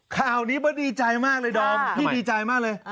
คราวนี้มันดีใจมากเลยดอมพี่ดีใจมากเลย